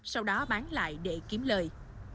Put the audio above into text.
sau đó bán lại để kiếm lời